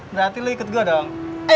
berarti lo ikut gua dong